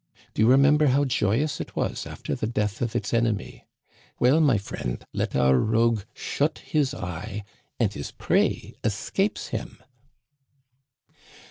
Do you re member how joyous it was after the death of its enemy ? Well, my friend, let our rogue shut his eye and his prey escapes him."